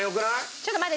ちょっと待って。